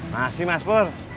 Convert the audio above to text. masih mas pur